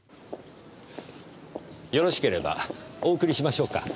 よろしければお送りしましょうか？